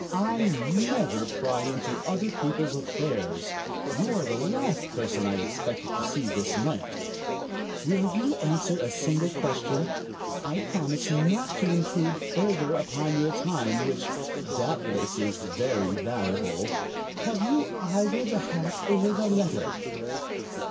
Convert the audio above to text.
"I never pry into other people's affairs. You are the last person I expected to see this night." "Will you answer a single question? I promise not to intrude further upon your time, which, doubtless, is very valuable. Have you either the hat or the letter?"